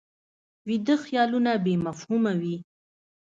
ویده خیالونه بې مفهومه وي